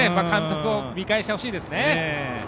監督を見返してほしいですね。